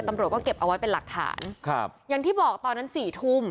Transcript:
ตำรวจก็เก็บเอาไว้เป็นหลักฐานครับอย่างที่บอกตอนนั้นสี่ทุ่ม